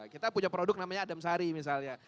kita punya produk namanya adam sari misalnya